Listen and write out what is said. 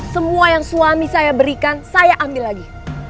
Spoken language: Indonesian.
semua yang suami saya berikan saya ambil lagi